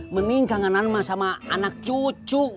mending kangenan sama anak cucu